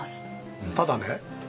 ただね